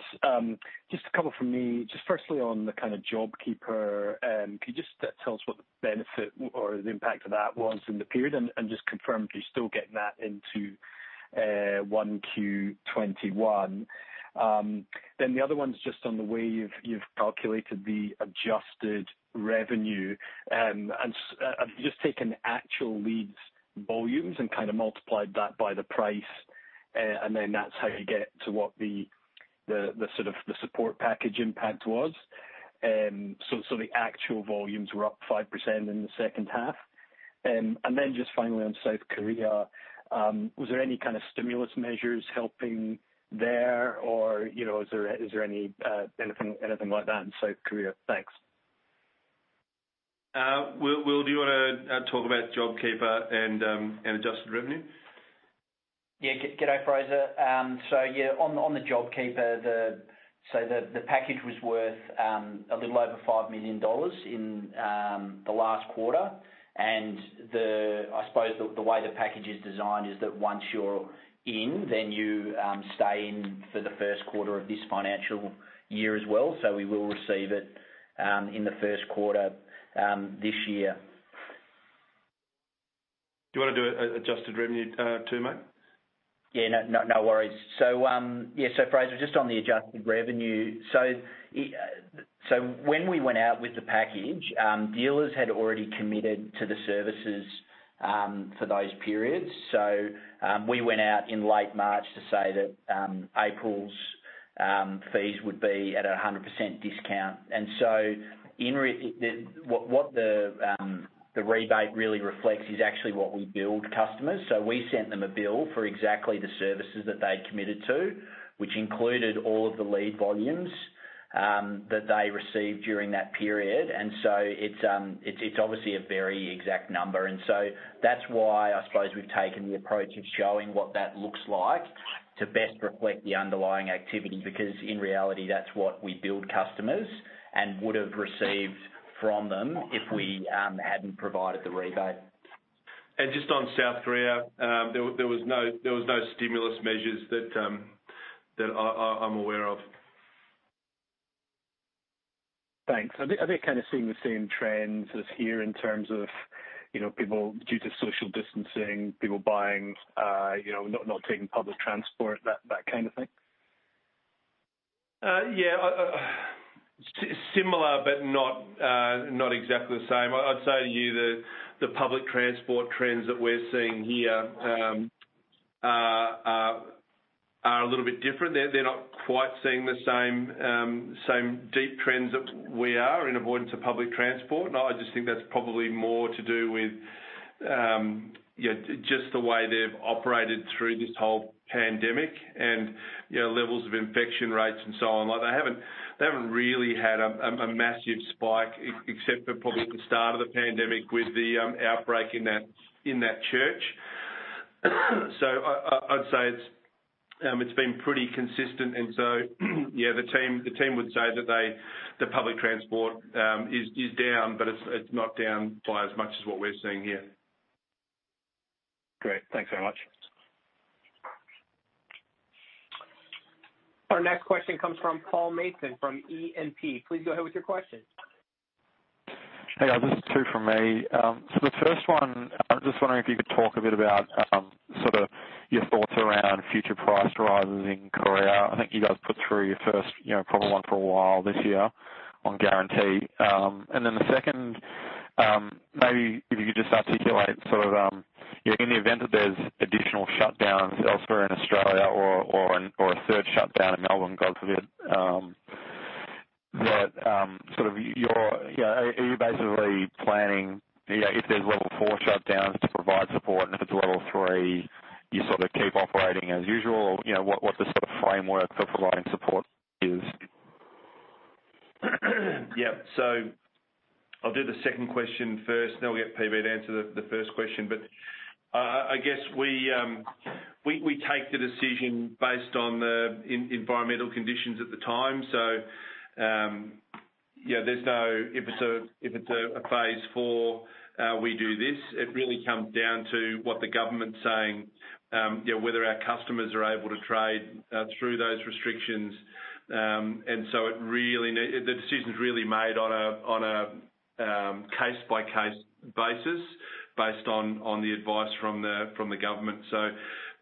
Just a couple from me. Just firstly, on the kind of JobKeeper, could you just tell us what the benefit or the impact of that was in the period, and just confirm if you're still getting that into 1Q 2021? Then the other one's just on the way you've calculated the adjusted revenue. And have you just taken the actual leads, volumes, and kind of multiplied that by the price, and then that's how you get to what the sort of the support package impact was? So the actual volumes were up 5% in the second half. And then just finally on South Korea, was there any kind of stimulus measures helping there or, you know, is there anything like that in South Korea? Thanks. Will, do you wanna talk about JobKeeper and adjusted revenue? Yeah. Good day, Fraser. So yeah, on the JobKeeper, the package was worth a little over 5 million dollars in the last quarter. And I suppose the way the package is designed is that once you're in, then you stay in for the first quarter of this financial year as well. So we will receive it in the first quarter this year. Do you wanna do a adjusted revenue too, mate? Yeah, no, no, no worries. So, yeah, so Fraser, just on the adjusted revenue, so when we went out with the package, dealers had already committed to the services for those periods. So, we went out in late March to say that April's fees would be at a 100% discount. And so the rebate really reflects is actually what we billed customers. So we sent them a bill for exactly the services that they'd committed to, which included all of the lead volumes that they received during that period. And so it's obviously a very exact number. And so that's why I suppose we've taken the approach of showing what that looks like to best reflect the underlying activity. Because in reality, that's what we billed customers and would've received from them if we hadn't provided the rebate. And just on South Korea, there was no stimulus measures that I'm aware of. Thanks. Are they kind of seeing the same trends as here in terms of, you know, people... due to social distancing, people buying, you know, not taking public transport, that kind of thing? Yeah, similar, but not exactly the same. I'd say to you the public transport trends that we're seeing here are a little bit different. They're not quite seeing the same deep trends that we are in avoidance of public transport, and I just think that's probably more to do with just the way they've operated through this whole pandemic and, you know, levels of infection rates and so on. Like, they haven't really had a massive spike except for probably at the start of the pandemic with the outbreak in that church. So I'd say it's been pretty consistent. And so yeah, the team would say that the public transport is down, but it's not down by as much as what we're seeing here. Great. Thanks very much. Our next question comes from Paul Mason from E&P. Please go ahead with your question. Hey, guys, just two from me. So the first one, I'm just wondering if you could talk a bit about sort of your thoughts around future price rises in Korea. I think you guys put through your first, you know, probably one for a while this year on Guarantee. And then the second, maybe if you could just articulate sort of yeah, in the event that there's additional shutdowns elsewhere in Australia or a third shutdown in Melbourne, God forbid, what sort of your... Yeah, are you basically planning, you know, if there's level four shutdowns, to provide support, and if it's level three, you sort of keep operating as usual? Or, you know, what the sort of framework for providing support is? Yep. So I'll do the second question first, then I'll get PB to answer the first question. But I guess we take the decision based on the environmental conditions at the time. So yeah, there's no if it's a phase four, we do this. It really comes down to what the government's saying, you know, whether our customers are able to trade through those restrictions. And so the decision's really made on a case-by-case basis based on the advice from the government. So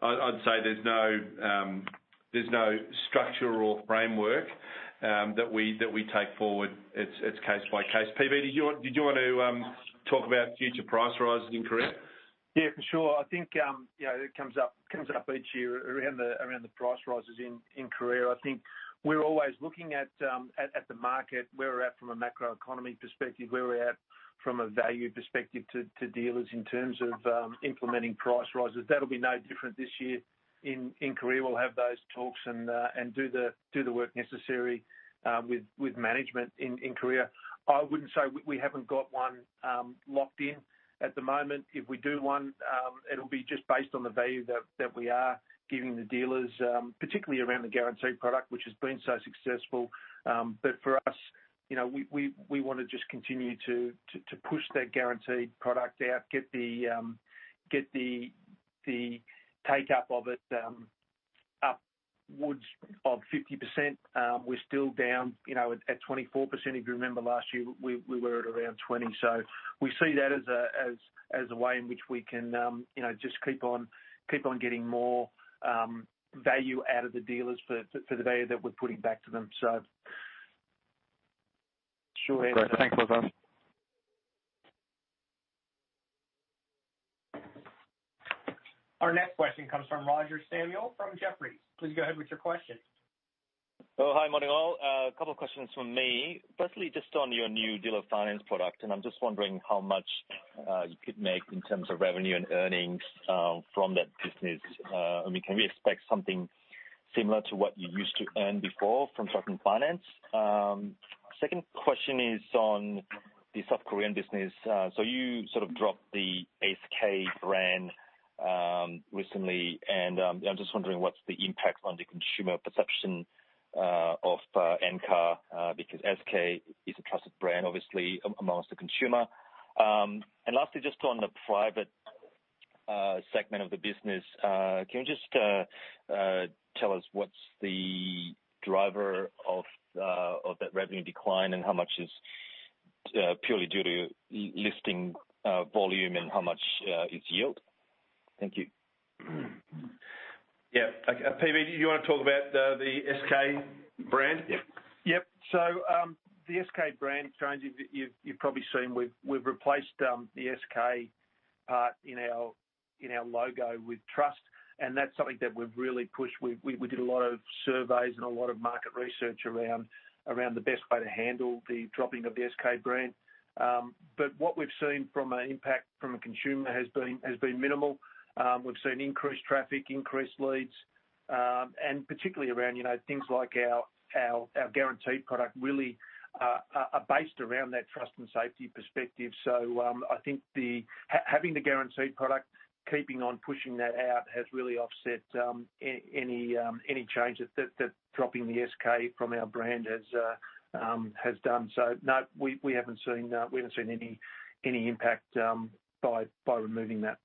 I'd say there's no structure or framework that we take forward. It's case by case. PB, did you want to talk about future price rises in Korea? Yeah, for sure. I think, you know, it comes up each year around the price rises in Korea. I think we're always looking at the market, where we're at from a macroeconomy perspective, where we're at from a value perspective to dealers in terms of implementing price rises. That'll be no different this year in Korea. We'll have those talks and do the work necessary with management in Korea. I wouldn't say we haven't got one locked in at the moment. If we do one, it'll be just based on the value that we are giving the dealers, particularly around the Guarantee product, which has been so successful. But for us, you know, we want to just continue to push that Guarantee product out, get the take-up of it upwards of 50%. We're still down, you know, at 24%. If you remember last year, we were at around 20. So we see that as a way in which we can, you know, just keep on getting more value out of the dealers for the value that we're putting back to them. So sure. Great. Thanks, PB. Our next question comes from Roger Samuel from Jefferies. Please go ahead with your question. Oh, hi, morning, all. A couple of questions from me. Firstly, just on your new dealer finance product, and I'm just wondering how much you could make in terms of revenue and earnings from that business. I mean, can we expect something similar to what you used to earn before from Stratton Finance? Second question is on the South Korean business. So you sort of dropped the SK brand recently, and I'm just wondering, what's the impact on the consumer perception of Encar, because SK is a trusted brand, obviously, among the consumer, and lastly, just on the private segment of the business, can you just tell us what's the driver of that revenue decline? And how much is purely due to listing volume, and how much is yield? Thank you. Yeah, okay. PB, do you want to talk about the SK brand? Yep. Yep. So, the SK brand, Roger, you've probably seen, we've replaced the SK in our logo with Trust, and that's something that we've really pushed. We did a lot of surveys and a lot of market research around the best way to handle the dropping of the SK brand. But what we've seen from an impact from a consumer has been minimal. We've seen increased traffic, increased leads, and particularly around, you know, things like our Guarantee product really are based around that trust and safety perspective. So, I think having the Guarantee product, keeping on pushing that out, has really offset any change that dropping the SK from our brand has done. So, no, we haven't seen any impact by removing that.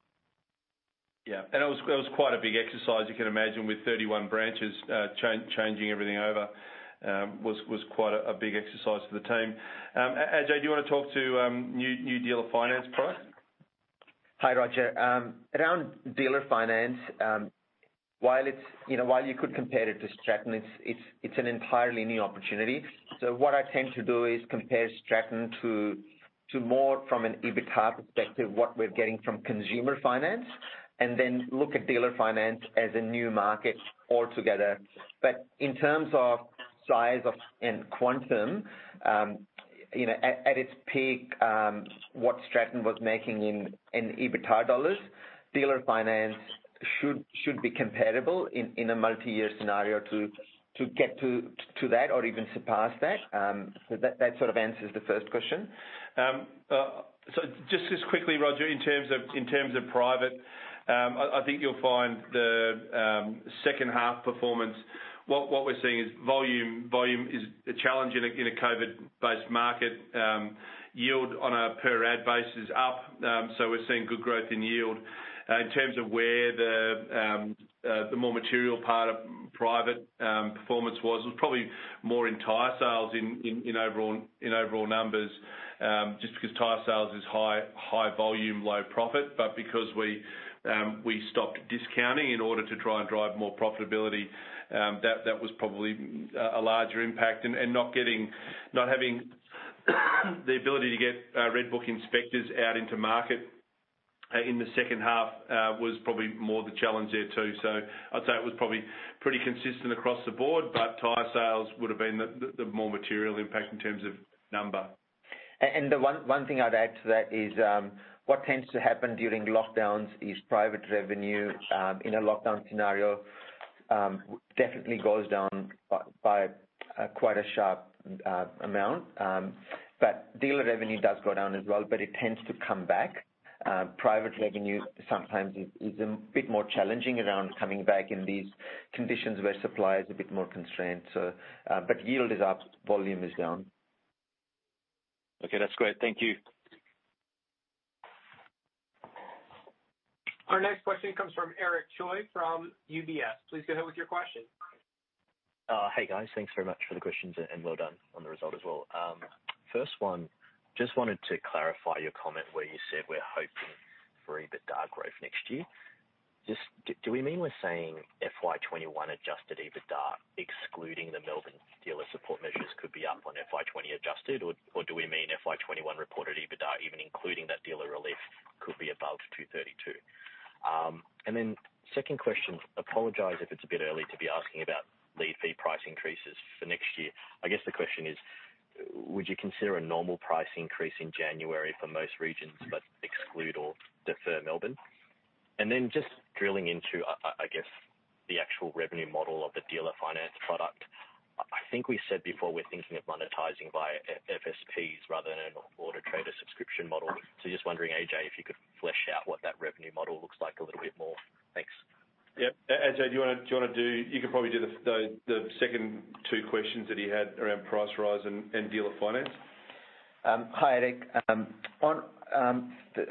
Yeah, and it was quite a big exercise. You can imagine with 31 branches, changing everything over was quite a big exercise for the team. And, Ajay, do you want to talk to new dealer finance product? Hi, Roger. Around dealer finance, while it's, you know, while you could compare it to Stratton, it's an entirely new opportunity. So what I tend to do is compare Stratton to more from an EBITDA perspective, what we're getting from consumer finance, and then look at dealer finance as a new market altogether. But in terms of size of and quantum, you know, at its peak, what Stratton was making in EBITDA dollars, dealer finance should be comparable in a multi-year scenario to get to that or even surpass that. So that sort of answers the first question. So just quickly, Roger, in terms of private, I think you'll find the second half performance. What we're seeing is volume, volume is a challenge in a COVID-based market. Yield on a per ad basis is up, so we're seeing good growth in yield. In terms of where the more material part of private performance was, it was probably more in Tyresales in overall numbers, just because Tyresales is high volume, low profit. But because we stopped discounting in order to try and drive more profitability, that was probably a larger impact. Not having the ability to get RedBook inspectors out into the market in the second half was probably more the challenge there, too. I'd say it was probably pretty consistent across the board, but Tyresales would've been the more material impact in terms of number. And the one thing I'd add to that is what tends to happen during lockdowns is private revenue in a lockdown scenario definitely goes down by quite a sharp amount. But dealer revenue does go down as well, but it tends to come back. Private revenue sometimes is a bit more challenging around coming back in these conditions where supply is a bit more constrained, so. But yield is up, volume is down. Okay, that's great. Thank you. Our next question comes from Eric Choi from UBS. Please go ahead with your question. Hey, guys. Thanks very much for the questions, and well done on the result as well. First one, just wanted to clarify your comment where you said we're hoping for EBITDA growth next year. Just, do we mean we're saying FY 2021 Adjusted EBITDA, excluding the Melbourne dealer support measures, could be up on FY 2020 adjusted, or do we mean FY 2021 reported EBITDA, even including that dealer relief, could be above 232 million? And then second question, apologize if it's a bit early to be asking about the fee price increases for next year. I guess the question is: would you consider a normal price increase in January for most regions, but exclude or defer Melbourne? And then just drilling into, I guess, the actual revenue model of the dealer finance product. I think we said before, we're thinking of monetizing via FSPs rather than an Auto Trader subscription model. So just wondering, Ajay, if you could flesh out what that revenue model looks like a little bit more. Thanks. Yep. Ajay, do you wanna do... You can probably do the second two questions that he had around price rise and dealer finance. Hi, Eric. On,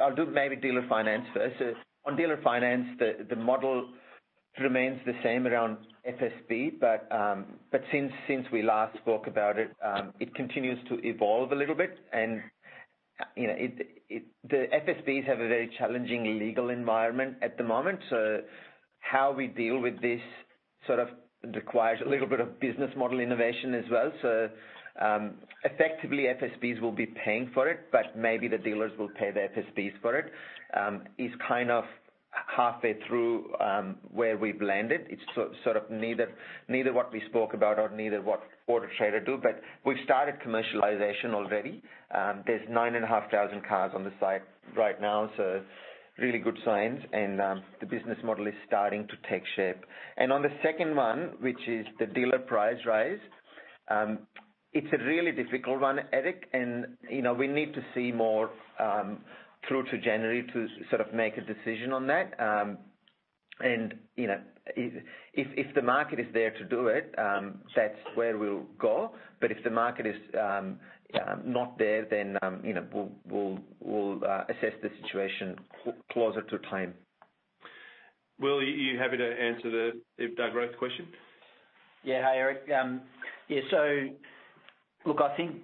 I'll do maybe dealer finance first. On dealer finance, the model remains the same around FSP, but since we last spoke about it, it continues to evolve a little bit. And, you know, it, the FSPs have a very challenging legal environment at the moment, so how we deal with this, sort of, requires a little bit of business model innovation as well. So, effectively, FSPs will be paying for it, but maybe the dealers will pay the FSPs for it. It's kind of halfway through, where we've landed. It's sort of, neither what we spoke about or neither what Auto Trader do, but we've started commercialization already. There's 9,500 cars on the site right now, so really good signs, and the business model is starting to take shape, and on the second one, which is the dealer price rise, it's a really difficult one, Eric, and you know, we need to see more through to January to sort of make a decision on that. And you know, if the market is there to do it, that's where we'll go. But if the market is not there, then you know, we'll assess the situation closer to time. Will, are you happy to answer the EBITDA growth question? Yeah. Hi, Eric. Yeah, so look, I think,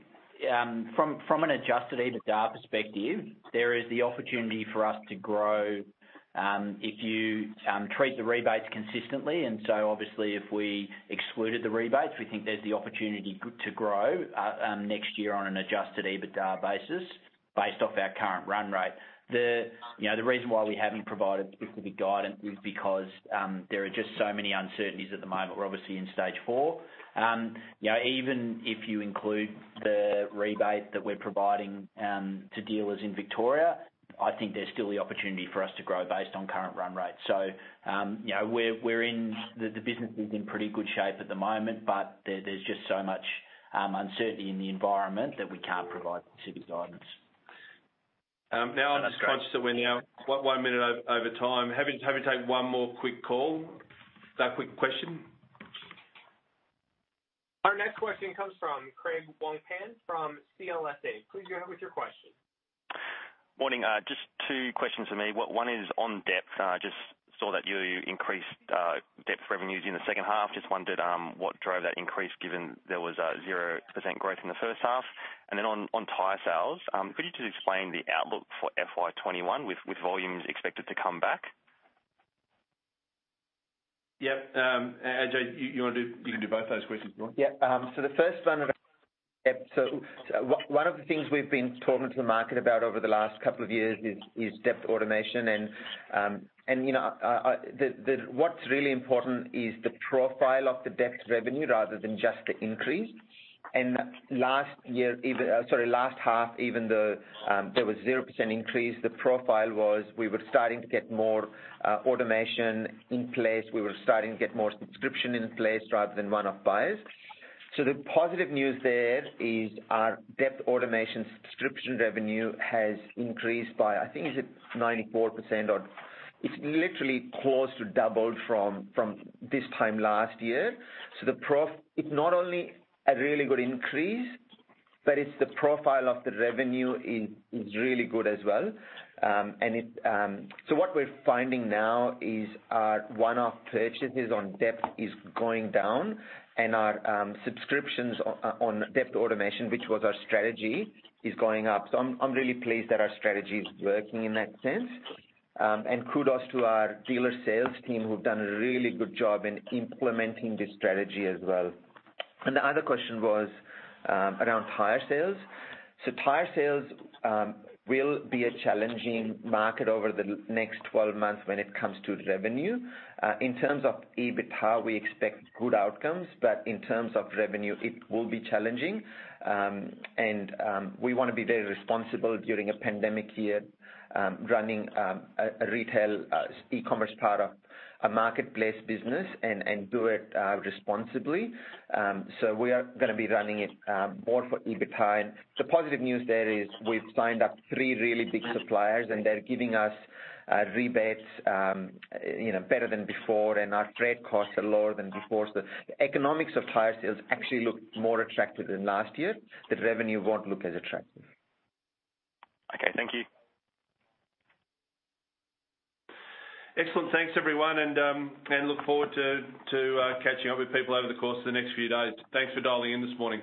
from, from an Adjusted EBITDA perspective, there is the opportunity for us to grow, if you, treat the rebates consistently. And so obviously, if we excluded the rebates, we think there's the opportunity to grow, next year on an Adjusted EBITDA basis, based off our current run rate. The, you know, the reason why we haven't provided specific guidance is because, there are just so many uncertainties at the moment. We're obviously in stage four. You know, even if you include the rebate that we're providing, to dealers in Victoria, I think there's still the opportunity for us to grow based on current run rate. So, you know, we're in... The business is in pretty good shape at the moment, but there's just so much uncertainty in the environment that we can't provide specific guidance. Now I'm just conscious that we're now one minute over time. Happy to take one more quick call, quick question. Our next question comes from Craig Wong-Pan from CLSA. Please go ahead with your question. Morning. Just two questions from me. One is on Depth. Just saw that you increased Depth revenues in the second half. Just wondered what drove that increase, given there was 0% growth in the first half? And then on Tyresales, could you just explain the outlook for FY 2021, with volumes expected to come back? Yep. Ajay, you can do both those questions if you want. Yeah. So the first one, so one of the things we've been talking to the market about over the last couple of years is Depth automation. And, you know, what's really important is the profile of the Depth revenue rather than just the increase. And last half, even though there was 0% increase, the profile was, we were starting to get more automation in place. We were starting to get more subscription in place rather than one-off buyers. So the positive news there is our Depth automation subscription revenue has increased by, I think, is it 94%, or it's literally close to doubled from this time last year. It's not only a really good increase, but it's the profile of the revenue is really good as well. So what we're finding now is our one-off purchases on Depth is going down, and our subscriptions on Depth automation, which was our strategy, is going up. So I'm really pleased that our strategy is working in that sense. And kudos to our dealer sales team, who've done a really good job in implementing this strategy as well. And the other question was around Tyresales. So Tyresales will be a challenging market over the next 12 months when it comes to revenue. In terms of EBITDA, we expect good outcomes, but in terms of revenue, it will be challenging. We wanna be very responsible during a pandemic year, running a retail e-commerce part of a marketplace business and do it responsibly. So we are gonna be running it more for EBITDA. The positive news there is we've signed up three really big suppliers, and they're giving us rebates, you know, better than before, and our freight costs are lower than before. So the economics of Tyresales actually look more attractive than last year. The revenue won't look as attractive. Okay. Thank you. Excellent. Thanks, everyone, and look forward to catching up with people over the course of the next few days. Thanks for dialing in this morning.